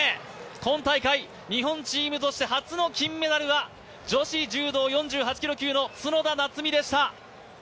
今大会、日本チームとして初の金メダルは女子柔道４８キロ級の角田夏実でした。